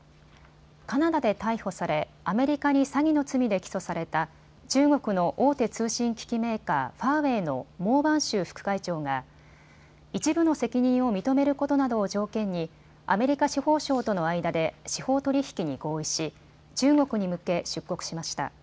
カナダで逮捕され、アメリカに詐欺の罪で起訴された中国の大手通信機器メーカー、ファーウェイの孟晩舟副会長が一部の責任を認めることなどを条件にアメリカ司法省との間で司法取引に合意し中国に向け出国しました。